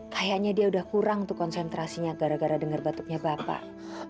kayaknya dia udah kurang tuh konsentrasinya gara gara dengar batuknya bapak